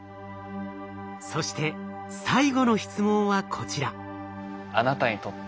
そして最後の質問はこちら。